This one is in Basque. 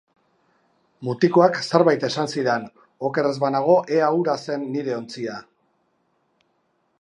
Mutikoak zerbait esan zidan, oker ez banago ea hura zen nire ontzia.